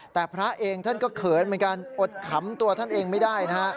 แต่พระเองท่านก็เขินเหมือนกันอดขำตัวท่านเองไม่ได้นะฮะ